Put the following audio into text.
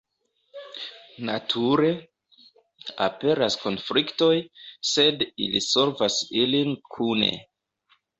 Nature, aperas konfliktoj, sed ili solvas ilin kune.